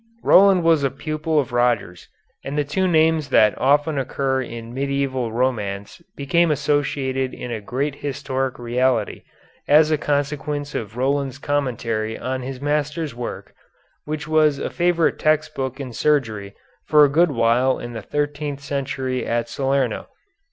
Roland was a pupil of Roger's, and the two names that often occur in medieval romance became associated in a great historic reality as a consequence of Roland's commentary on his master's work, which was a favorite text book in surgery for a good while in the thirteenth century at Salerno.